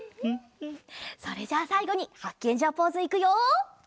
それじゃあさいごにハッケンジャーポーズいくよ！